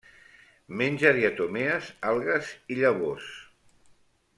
Menja diatomees, algues i llavors.